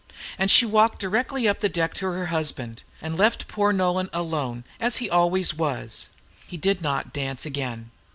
and she walked directly up the deck to her husband, and left poor Nolan alone, as he always was. He did not dance again.